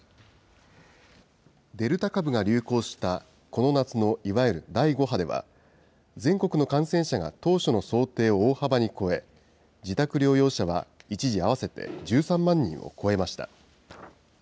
デルタ株が流行した、この夏のいわゆる第５波では、全国の感染者が当初の想定を大幅に超え、自宅療養者は一時合わせて１３万人を超えました。